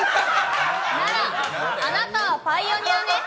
なら、あなたはパイオニアね。